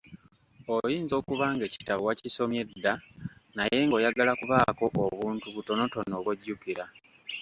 Oyinza okuba ng'ekitabo wakisomye dda naye ng'oyagala kubaako obuntu butonotono bw'ojjukira